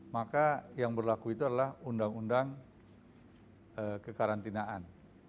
maka yang berlaku itu adalah undang undang kekarantinaan